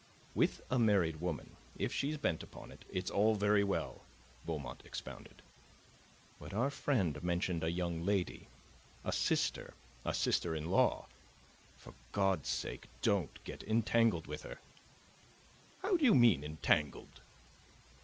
"With a married woman, if she's bent upon it, it's all very well," Beaumont expounded. "But our friend mentioned a young lady a sister, a sister in law. For God's sake, don't get entangled with her!" "How do you mean entangled?"